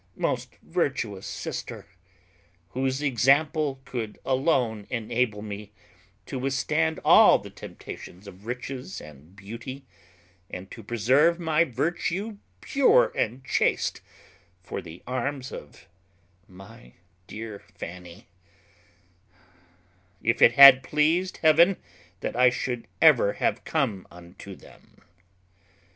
most virtuous sister! whose example could alone enable me to withstand all the temptations of riches and beauty, and to preserve my virtue pure and chaste for the arms of my dear Fanny, if it had pleased Heaven that I should ever have come unto them.